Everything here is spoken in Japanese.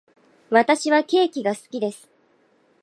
私はケーキが好きです。